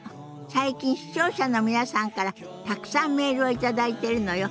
最近視聴者の皆さんからたくさんメールを頂いてるのよ。